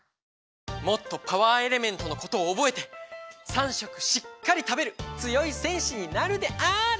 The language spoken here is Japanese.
もっとパワーエレメントのことをおぼえて３しょくしっかりたべるつよいせんしになるである！